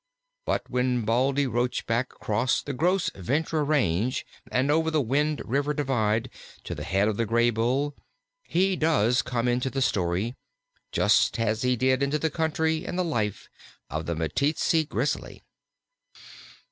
But when Baldy Roachback crossed the Gros Ventre Range and over the Wind River Divide to the head of the Graybull, he does come into the story, just as he did into the country and the life of the Meteetsee Grizzly.